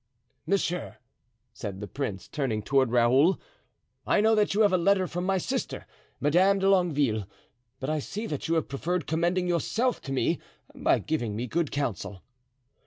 "Monsieur," said the prince, turning toward Raoul, "I know that you have a letter from my sister, Madame de Longueville; but I see that you have preferred commending yourself to me by giving me good counsel."